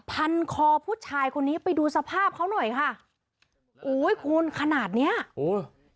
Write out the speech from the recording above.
พันคอผู้ชายคนนี้ไปดูสภาพเขาหน่อยค่ะโอ้ยคุณขนาดเนี้ยโอ้ย